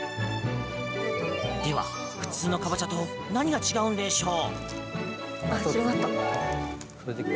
では、普通のカボチャと何が違うんでしょう？